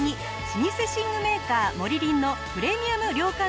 老舗寝具メーカーモリリンのプレミアム涼感